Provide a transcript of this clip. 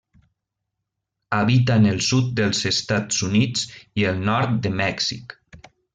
Habita en el sud dels Estats Units i el nord de Mèxic.